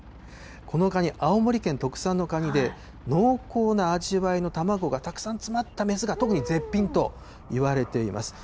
このカニ、青森県特産のカニで、濃厚な味わいの卵がたくさん詰まった雌が、特に絶品といわれています。